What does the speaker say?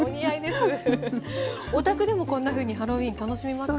お宅でもこんなふうにハロウィーン楽しみますか？